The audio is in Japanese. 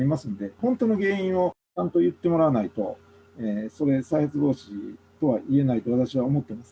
本当の原因をちゃんと言ってもらわないと、それは再発防止とは私は言えないと思います。